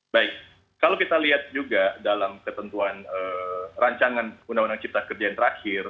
baik kalau kita lihat juga dalam ketentuan rancangan undang undang cipta kerja yang terakhir